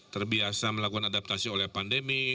terbiasa melakukan adaptasi oleh pandemi